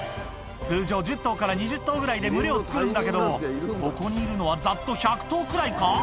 通常、１０頭から２０頭ぐらいで群れを作るんだけども、ここにいるのはざっと１００頭ぐらいか？